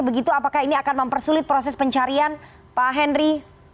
begitu apakah ini akan mempersulit proses pencarian pak henry